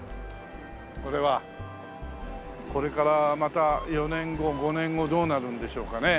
これからまた４年後５年後どうなるんでしょうかね？